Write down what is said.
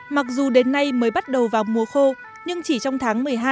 mặc dù đến nay mới bắt đầu vào mùa khô nhưng chỉ trong tháng một mươi hai